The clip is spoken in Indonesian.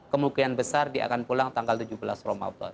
kemungkinan besar dia akan pulang tanggal tujuh belas ramadan